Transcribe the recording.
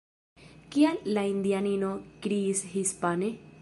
Kial la indianino kriis hispane?